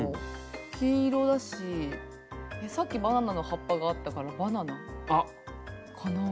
黄色だしさっきバナナの葉っぱがあったからバナナかなあ？